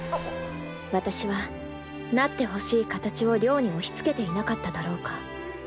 私はなってほしい形を亮に押しつけていなかっただろうか。